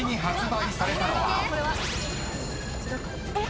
・えっ？